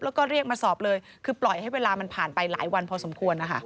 แล้วก็เรียกมาสอบเลยคือปล่อยให้เวลามันผ่านไปหลายวันพอสมควรนะคะ